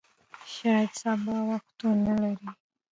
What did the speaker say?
شاید سبا وخت ونه لرې !